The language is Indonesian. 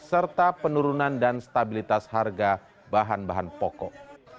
serta penurunan dan stabilitas harga bahan bahan pokok